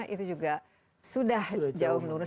itu juga sudah jauh menurun